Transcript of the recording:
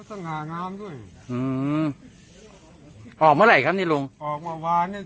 อาหารอยู่อืมอ๋อเมื่อไหร่ครับนี้โลงออกมาหวานเนี้ย